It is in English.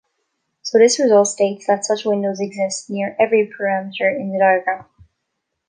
So this result states that such windows exist near every parameter in the diagram.